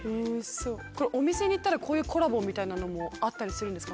これお店に行ったらこういうコラボみたいなのもあったりするんですか？